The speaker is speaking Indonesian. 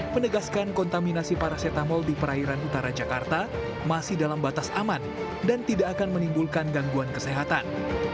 menegaskan kontaminasi paracetamol di perairan utara jakarta masih dalam batas aman dan tidak akan menimbulkan gangguan kesehatan